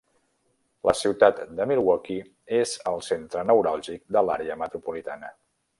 La ciutat de Milwaukee és el centre neuràlgic de l'àrea metropolitana.